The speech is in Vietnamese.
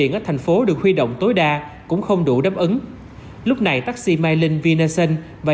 nhân thành phố được huy động tối đa cũng không đủ đáp ứng lúc này tác sĩ mai linh vinason và